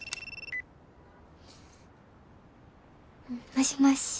もしもし。